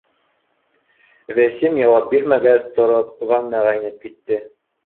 Вәсим яуап бирмәгәс, тороп, ваннаға инеп китте